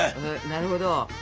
なるほど。